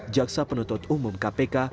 jaksa penutut umum kpk